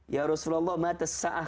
ya rasulullah ma'a tesa'ah